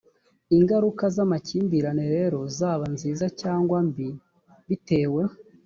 ingaruka z amakimbirane rero zaba nziza cyangwa mbi bitewe